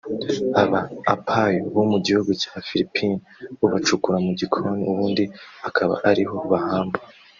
Aba Apayo bo mu gihugu cya Philippine bo bacukura mu gikoni ubundi akaba ariho bahamba